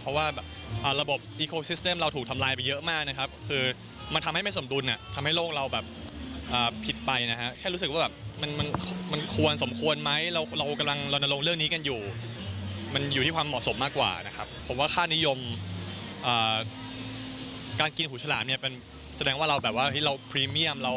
เพราะลืมพรีเมียมแล้วเราราโก่ชิดไหมค่ะ